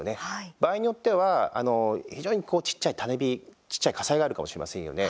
場合によっては非常に小っちゃい種火小っちゃい火災があるかもしれませんよね。